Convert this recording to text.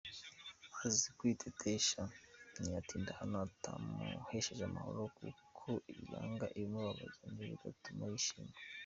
Azi kwitetesha, ntiyatinda ahantu hatamuhesheje amahoro kuko yanga ibimubabaza n’ibidatuma yishima.